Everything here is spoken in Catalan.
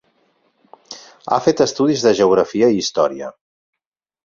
Ha fet estudis de geografia i història.